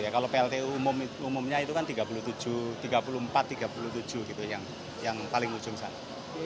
kalau plt u umumnya itu kan tiga puluh empat tiga puluh tujuh gitu yang paling ujung sana